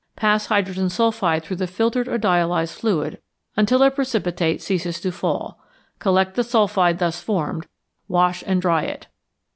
Pass hydrogen sulphide through the filtered or dialyzed fluid until a precipitate ceases to fall; collect the sulphide thus formed, wash and dry it.